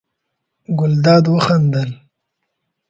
ګلداد وخندل.